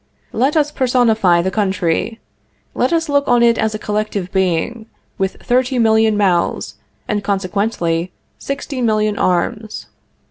Let us personify the country. Let us look on it as a collective being, with thirty million mouths, and, consequently, sixty million arms.